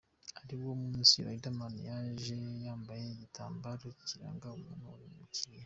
Kuri uwo munsi Riderman, yaje yambaye igitambaro kiranga umuntu uri mu kiriyo.